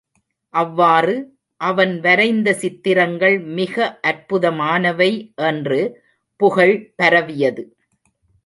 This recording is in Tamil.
அவ்வாறு, அவன் வரைந்த சித்திரங்கள் மிக அற்புதமானவை என்று புகழ் பரவியது.